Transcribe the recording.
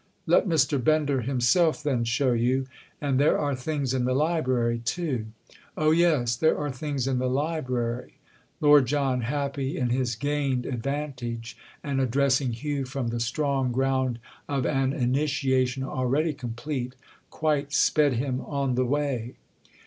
"Let Mr. Bender himself then show you. And there are things in the library too." "Oh yes, there are things in the library." Lord John, happy in his gained advantage and addressing Hugh from the strong ground of an initiation already complete, quite sped him on the way.